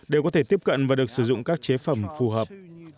đều có thể tiếp cận và được sử dụng các chế phẩm phù hợp